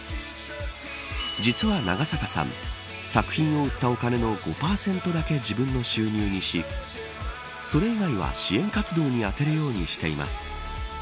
実は長坂さん作品を売ったお金の５％だけ自分の収入にしそれ以外は支援活動にあてるようにしています。